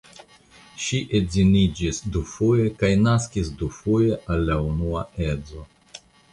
Ŝi edziniĝis dufoje kaj naskis dufoje al la unua edzo.